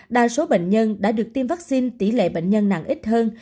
đa số bệnh nhân đã được tiêm vaccine tỷ lệ bệnh nhân nặng ít hơn